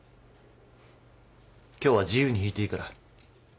今日は自由に弾いていいから。